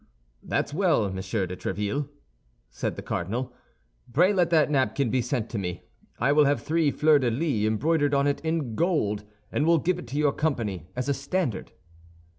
"That's well, Monsieur de Tréville," said the cardinal; "pray let that napkin be sent to me. I will have three fleur de lis embroidered on it in gold, and will give it to your company as a standard."